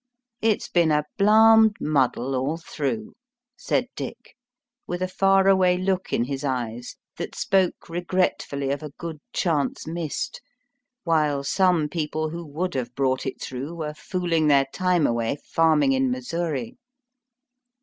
^^It's bin a blarmed muddle all through," said Dick, with a far away look in his eyes that spoke regretfully of a good chance missed while some people who would have brought it through were fooling their time away farm ing in Missouri.